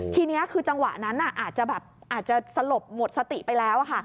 ทีนี้คือจังหวะนั้นอาจจะสลบหมดสติไปแล้ว